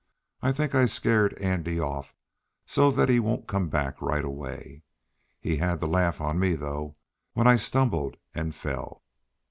"I think I scared Andy so that he won't come back right away. He had the laugh on me, though, when I stumbled and fell."